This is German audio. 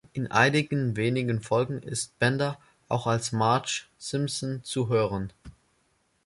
In einigen wenigen Folgen ist Bender auch als Marge Simpson zu hören.